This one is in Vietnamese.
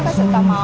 cái sự tò mò